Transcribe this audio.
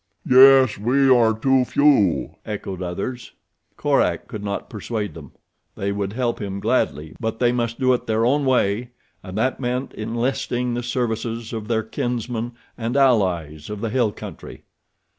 "Yes, we are too few," echoed others. Korak could not persuade them. They would help him, gladly; but they must do it in their own way and that meant enlisting the services of their kinsmen and allies of the hill country.